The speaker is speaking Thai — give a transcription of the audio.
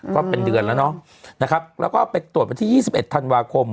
ก็เป็นเดือนแล้วเนาะนะครับแล้วก็ไปตรวจวันที่๒๑ธันวาคม